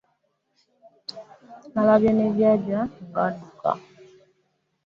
Nalabye ne jjaja nga adduka.